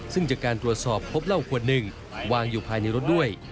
ซึ่งจากการตรวจสอบพบเหล้าขวดหนึ่งวางอยู่ภายในรถด้วย